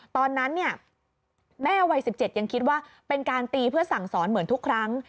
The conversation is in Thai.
ตอนนั้นเนี่ยแม่วัย๑๗ยังคิดว่าเป็นการตีเพื่อสั่งสอนเหมือนทุกครั้ง